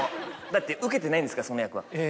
だって受けてないんですからその役は。